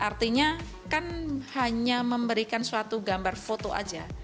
artinya kan hanya memberikan suatu gambar foto aja